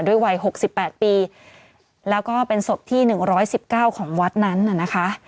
วัย๖๘ปีแล้วก็เป็นศพที่๑๑๙ของวัดนั้นน่ะนะคะ